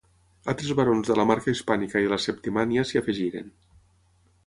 Altres barons de la Marca Hispànica i de la Septimània s'hi afegiren.